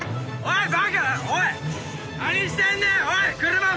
おい！